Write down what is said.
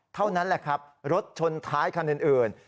เท่านั้นแหละครับรถชนท้ายคันอื่น